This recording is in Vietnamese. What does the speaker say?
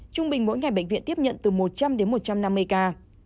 trung bình mỗi ngày bệnh viện tiếp nhận từ một trăm linh đến một trăm năm mươi ca